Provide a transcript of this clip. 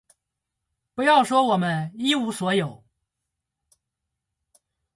不要说我们一无所有，